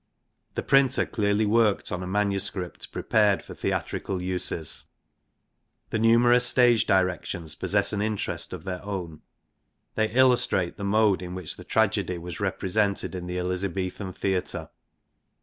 The printer clearly worked on a manuscript prepared for theatrical xiv INTRODUCTION uses. The numerous stage directions possess an interest of their own. They illustrate the mode in which the tragedy was represented in the Elizabethan theatre.